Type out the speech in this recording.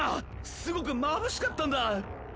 すごくまぶしかったんだッ！